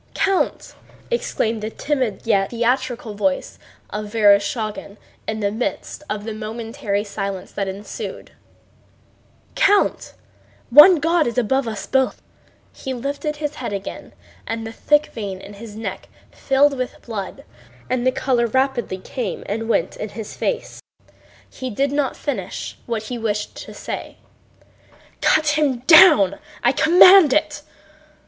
"Count!" exclaimed the timid yet theatrical voice of Vereshchágin in the midst of the momentary silence that ensued, "Count! One God is above us both...." He lifted his head and again the thick vein in his thin neck filled with blood and the color rapidly came and went in his face. He did not finish what he wished to say. "Cut him down! I command it..."